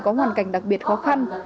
có hoàn cảnh đặc biệt khó khăn